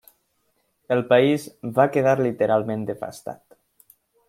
El país va quedar literalment devastat.